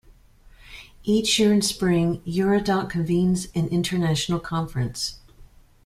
Each year in Spring, Eurodoc convenes an international conference.